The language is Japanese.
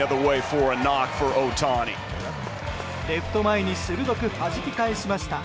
レフト前に鋭くはじき返しました。